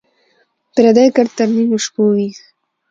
ـ پردى کټ تر نيمو شپو وي.